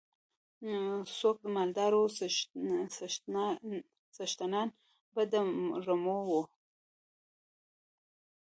څوک مالدار وو څښتنان به د رمو وو.